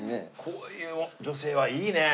こういう女性はいいね。